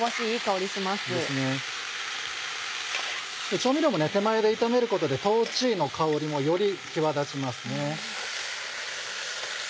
調味料も手前で炒めることで豆の香りもより際立ちますね。